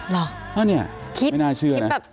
แล้วเนี่ยไม่น่าเชื่อนะ